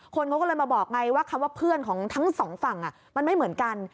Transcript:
คนเขาก็เลยมาบอกไงว่าคำว่าเพื่อนของทั้งสองฝั่งมันไม่เหมือนกัน